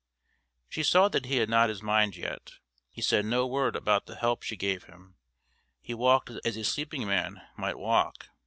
She saw that he had not his mind yet; he said no word about the help she gave him; he walked as a sleeping man might walk.